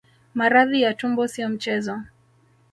Maradhi ya tumbo sio mchezo